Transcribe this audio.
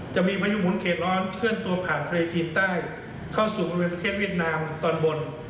จะมีประยุกต์หมุนเขียนร้อนเคลื่อนตัวผ่านทะเลทีนใต้เข้าสูงบุลประเทศเวียดนามตอนบน